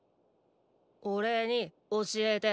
おれにおしえて。